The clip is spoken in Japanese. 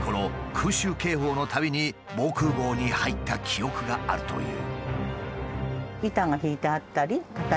空襲警報のたびに防空壕に入った記憶があるという。